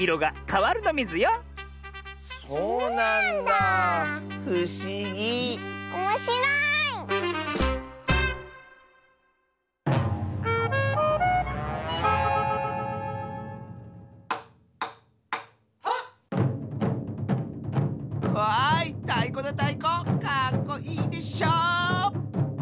かっこいいでしょ！